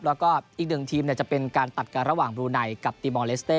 แล้วก็อีกหนึ่งทีมจะเป็นการตัดกันระหว่างบลูไนกับตีมอลเลสเต้